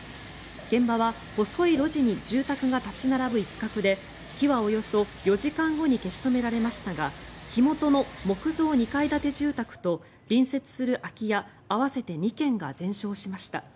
現場は細い路地に住宅が立ち並ぶ一角で火はおよそ４時間後に消し止められましたが火元の木造２階建て住宅と隣接する空き家合わせて２軒が全焼しました。